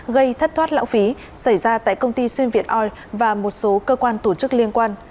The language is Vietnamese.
gây thất thoát lãng phí xảy ra tại công ty xuyên việt oil và một số cơ quan tổ chức liên quan